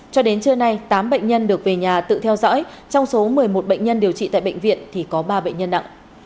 cho đến trưa nay tám bệnh nhân được về nhà tự theo dõi trong số một mươi một bệnh nhân điều trị tại bệnh viện thì có ba bệnh nhân nặng